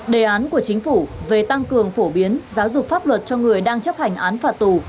đề án của chính phủ về tăng cường phổ biến giáo dục pháp luật cho người đang chấp hành án phạt tù